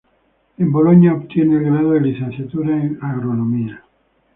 En Boloña obtiene el grado de licenciatura en Agronomía.